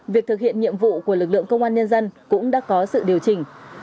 việc thực hiện nhiệm vụ của lực lượng công an nhân dân cũng đã có sự điều chỉnh